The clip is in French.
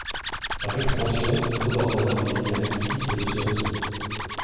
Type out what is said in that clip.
Par extension noborder désigne un activiste de ce réseau.